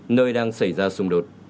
nơi đang xảy ra xung đột